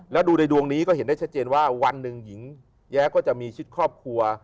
แล้วดูในดวงนี้ก็เห็นได้ชัดเจนว่าวันหนึ่งหญิงแย้ก็จะมีชิดครอบครัว